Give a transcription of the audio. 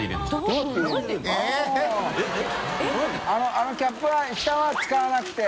あのキャップは爾使わなくて。